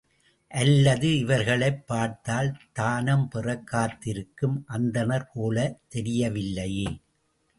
அல்லது, இவர்களைப் பார்த்தால் தானம் பெறக் காத்திருக்கும் அந்தணர் போலத் தெரியவில்லையே?